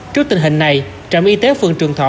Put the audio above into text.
trước tình hình này trạm y tế phường trường thọ